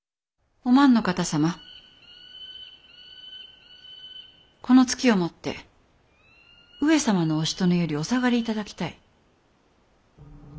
お万の方様この月をもって上様のおしとねよりお下がり頂きたい。